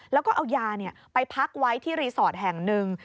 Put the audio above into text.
แล้วก็เอายาไปพักไว้ที่รีสอร์ทแห่งหนึ่ง